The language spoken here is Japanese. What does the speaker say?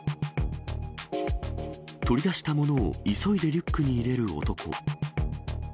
取り出したものを急いでリュックに入れる男。